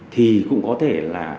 thì cũng có thể là